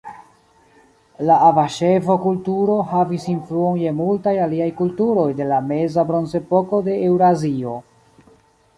La abaŝevo-kulturo havis influon je multaj aliaj kulturoj de la Meza Bronzepoko de Eŭrazio.